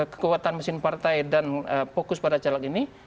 kekuatan mesin partai dan fokus pada caleg ini